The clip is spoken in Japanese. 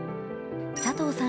佐藤さん